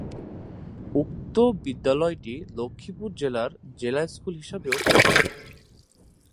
উক্ত বিদ্যালয়টি লক্ষ্মীপুর জেলার জেলা স্কুল হিসাবেও খ্যাত।